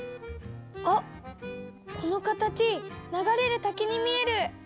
あっこの形流れる滝に見える！